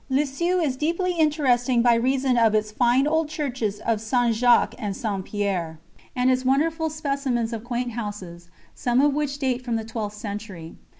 Lisieux is deeply interesting by reason of its fine old churches of St. Jacques and St. Pierre, and its wonderful specimens of quaint houses, some of which date from the twelfth century.